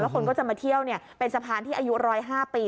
คนก็จะมาเที่ยวเป็นสะพานที่อายุ๑๐๕ปี